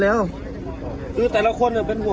ไม่เป็นไรครับ